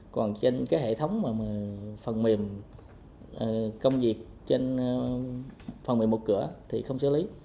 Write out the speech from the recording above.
còn trên hệ thống phần mềm công việc phần mềm một cửa thì không xử lý